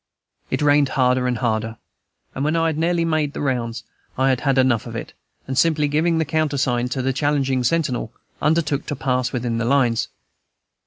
It rained harder and harder, and when I had nearly made the rounds I had had enough of it, and, simply giving the countersign to the challenging sentinel, undertook to pass within the lines.